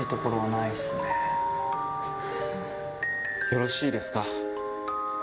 よろしいですか？